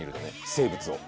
生物を。